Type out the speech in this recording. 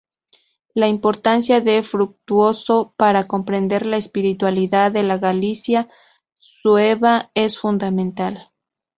La importancia de Fructuoso para comprender la espiritualidad de la Galicia sueva es fundamental.